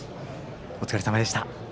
お疲れさまでした。